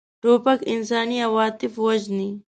توپک انساني عواطف وژني.